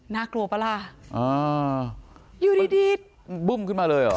น่ากลัวป่ะล่ะอ่าอยู่ดีดีบึ้มขึ้นมาเลยเหรอ